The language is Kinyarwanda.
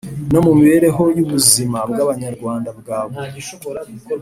no mu mibereho y’ubuzima bw’Abanyarwanda bwa buri